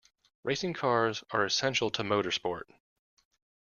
Racing cars are essential to motorsport